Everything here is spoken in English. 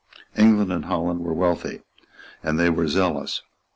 England and Holland were wealthy; and they were zealous.